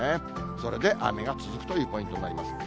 それで雨が続くというポイントになります。